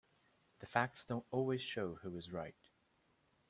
The facts don't always show who is right.